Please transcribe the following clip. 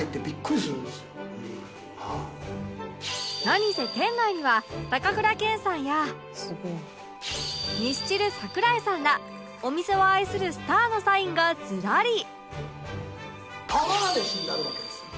何せ店内には高倉健さんやミスチル桜井さんらお店を愛するスターのサインがずらり！